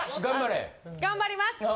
頑張ります。